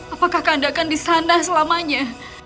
apakah kanda akan di sana selamanya